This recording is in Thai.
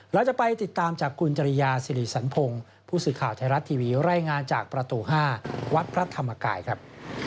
เราจะไปติดตามจากคุณจริยาสิริสันพงศ์ผู้สื่อข่าวไทยรัฐทีวีรายงานจากประตู๕วัดพระธรรมกายครับ